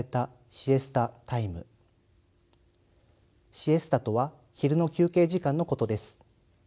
シエスタとは昼の休憩時間のことです。